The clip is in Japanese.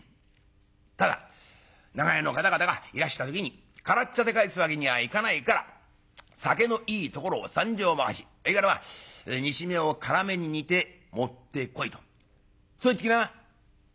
『ただ長屋の方々がいらした時に空茶で帰すわけにはいかないから酒のいいところを３升ばかしほいからまあ煮しめを辛めに煮て持ってこい』とそう言ってきな」。